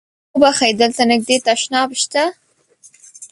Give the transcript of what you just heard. اوبښئ! دلته نږدې تشناب شته؟